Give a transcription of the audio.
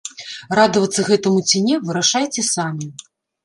Радавацца гэтаму ці не, вырашайце самі.